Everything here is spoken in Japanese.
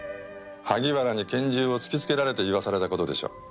萩原に拳銃を突きつけられて言わされたことでしょ。